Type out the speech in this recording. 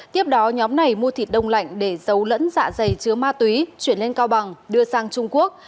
tiếp đó nhóm này mua thịt đông lạnh để giấu lẫn dạ dày chứa ma túy chuyển lên cao bằng đưa sang trung quốc